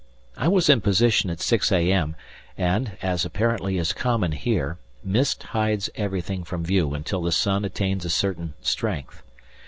I was in position at 6 a.m., and, as apparently is common here, mist hides everything from view until the sun attains a certain strength.